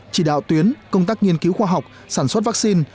chỉ đạo tuyến công tác nghiên cứu khoa học sản xuất vaccine